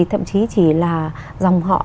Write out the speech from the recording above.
thậm chí chỉ là dòng họ